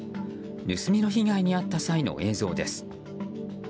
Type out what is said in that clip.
盗みの被害に遭った際の映像です。